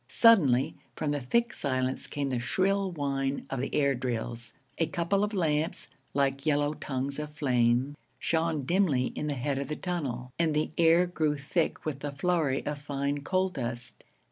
Suddenly, from the thick silence, came the shrill whine of the air drills. A couple of lamps, like yellow tongues of flame, shone dimly in the head of the tunnel, and the air grew thick with a flurry of fine coal dust.